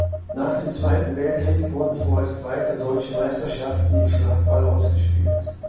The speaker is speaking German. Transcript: Nach dem Zweiten Weltkrieg wurden vorerst weiter Deutsche Meisterschaften im Schlagball ausgespielt.